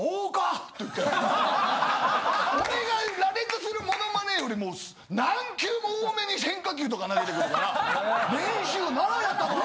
俺が羅列するモノマネよりも何球も多めに変化球とか投げてくるから。